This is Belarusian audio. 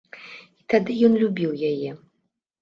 І тады ён любіў яе.